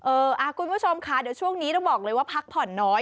คุณผู้ชมค่ะเดี๋ยวช่วงนี้ต้องบอกเลยว่าพักผ่อนน้อย